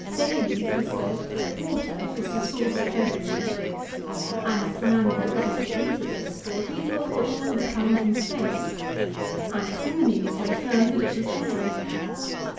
Thales has said that water is the source of every thing. Anaximauder would not agree to this, for he thought that all had come from space. Anaximenes had affirmed that it was air.